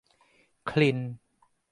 คลินต์